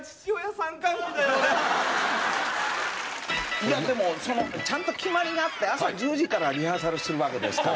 いやでもちゃんと決まりがあって朝１０時からリハーサルするわけですから。